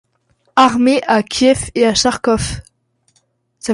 Armee à Kiev et à Charkov.